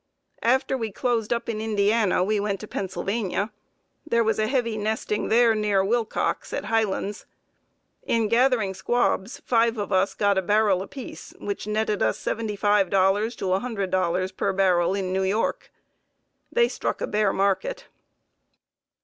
After we closed up in Indiana we went to Pennsylvania. There was a heavy nesting near Wilcox, at Highlands. In gathering squabs five of us got a barrel apiece, which netted us $75 to $100 per barrel in New York. They struck a bare market.